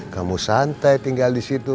kamu santai tinggal di situ